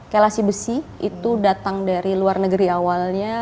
kelasi besi itu datang dari luar negeri awalnya